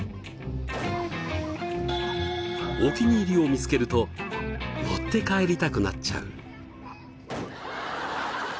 お気に入りを見つけると持って帰りたくなっちゃう。